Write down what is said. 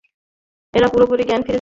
তার পুরোপুরি জ্ঞান ফিরেছে।